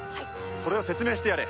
それを説明してやれ。